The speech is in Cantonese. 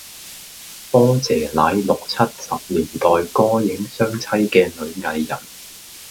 波姐乃六七拾年代歌影雙棲嘅女藝人